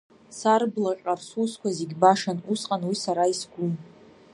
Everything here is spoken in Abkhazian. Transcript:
Сарблаҟьар сусқәа зегь башан, усҟан уи сара исгәым.